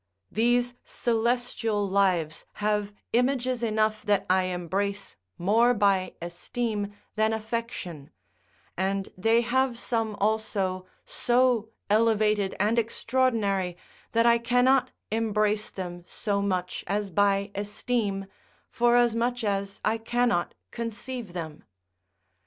These celestial lives have images enough that I embrace more by esteem than affection; and they have some also so elevated and extraordinary that I cannot embrace them so much as by esteem, forasmuch as I cannot conceive them.